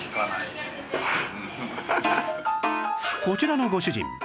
こちらのご主人